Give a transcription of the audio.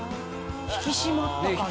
引き締まった感じ。